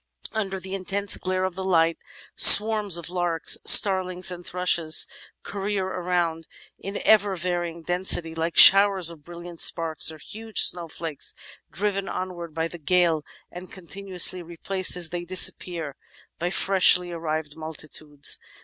Under the intense glare of the light, swarms of larks, starlings, and thrushes career around in ever varying density, like showers of brilliant sparks or huge snowflakes driven onwards by the gale, and continuously replaced as they disappear by freshly arrived multitudes.